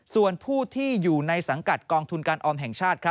ส่วนผู้ที่อยู่ในสังกัดกองทุนการออมแห่งชาติ